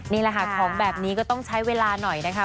นี่แหละค่ะของแบบนี้ก็ต้องใช้เวลาหน่อยนะคะ